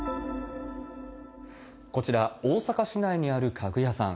こちら、大阪市内にある家具屋さん。